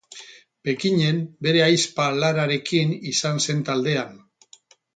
Pekinen, bere ahizpa Lararekin izan zen taldean.